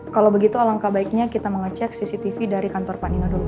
kalau begitu alangkah baiknya kita mengecek cctv dari kantor pak nino dulu